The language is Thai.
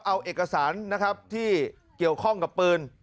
เอาเอกสารนะครับที่เกี่ยวข้องกับปืน